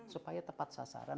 supaya tepat sasaran